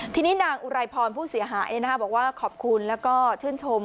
ทีนี้นางอุไรพรผู้เสียหายบอกว่าขอบคุณแล้วก็ชื่นชม